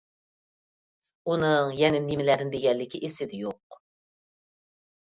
ئۇنىڭ يەنە نېمىلەرنى دېگەنلىكى ئېسىمدە يوق.